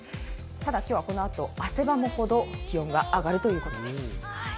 ただ、今日はこのあと汗ばむほど気温が上がるということです。